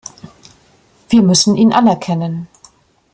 Wir müssen ihn anerkennen.